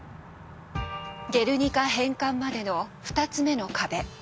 「ゲルニカ」返還までの２つ目の壁